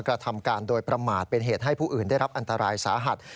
กระทำการโดยประมาทเป็นเหตุให้ผู้อื่นได้รับอันตรายสาหัส